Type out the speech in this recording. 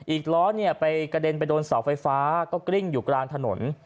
อีกล้อไปกระเด็นไปโดนเสาไฟฟ้าก็กริ้งอยู่กลางถนน